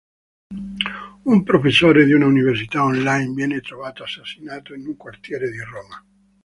Un professore di una università online viene trovato assassinato in un quartiere di Roma.